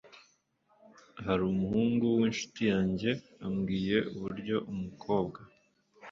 harumuhungu winshuti yanjye ambwiye uburyo umukobwa